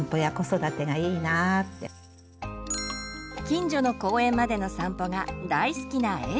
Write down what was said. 近所の公園までの散歩が大好きなえ